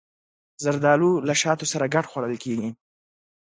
زردالو له شاتو سره ګډ خوړل کېږي.